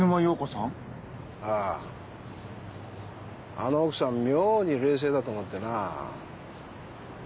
あの奥さん妙に冷静だと思ってな。